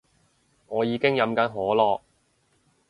我已經飲緊可樂